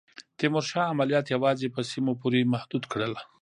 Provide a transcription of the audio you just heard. تیمورشاه عملیات یوازي په سیمو پوري محدود کړل.